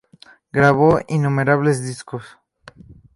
Grabó innumerables discos.